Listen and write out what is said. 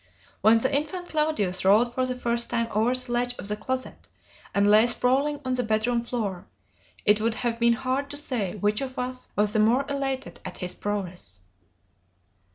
When the infant Claudius rolled for the first time over the ledge of the closet and lay sprawling on the bedroom floor, it would have been hard to say which of us was the more elated at his prowess."